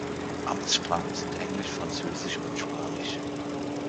Amtssprachen sind Englisch, Französisch und Spanisch.